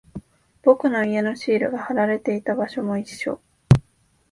僕の家のシールが貼られていた場所も一緒。